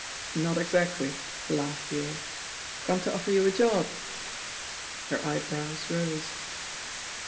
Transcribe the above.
"Not exactly," laughed Yale. "I've come to offer you a job." Her eyebrows rose.